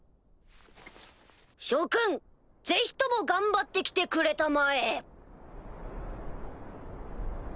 諸君ぜひとも頑張って来てくれたまえ。